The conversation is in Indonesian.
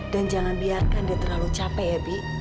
dan jangan biarkan dia terlalu capek ya bi